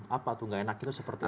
apa tuh gak enak itu seperti apa